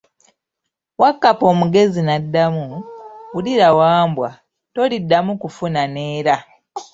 Wakkapa omugezi n'addamu, wulira Wambwa, toliddamu kunfuna neera.